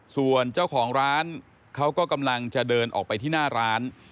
ส่วนเจ้าของร้านเขาก็กำลังจะเดินออกไปที่หน้าร้าน